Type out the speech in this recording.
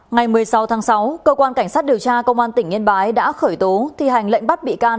ngày một mươi sáu tháng sáu cơ quan cảnh sát điều tra công an tỉnh yên bái đã khởi tố thi hành lệnh bắt bị can